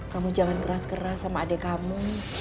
kamu jangan keras keras sama adik kamu